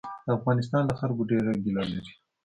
د افغانستان له خلکو ډېره ګیله لري.